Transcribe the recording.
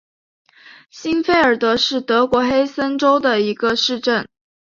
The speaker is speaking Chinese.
欣费尔德是德国黑森州的一个市镇。